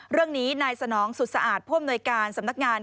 เรื่องนี้นายสนองสุดสะอาดผู้อำนวยการสำนักงาน